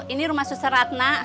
ini rumah susteratna